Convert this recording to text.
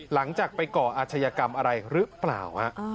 หลังจากไปก่ออาชญากรรมอะไรหรือเปล่า